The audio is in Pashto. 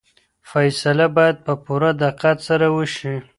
فیصله باید په پوره دقت سره وشي.